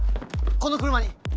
この車に。